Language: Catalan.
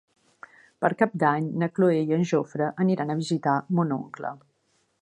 Per Cap d'Any na Cloè i en Jofre aniran a visitar mon oncle.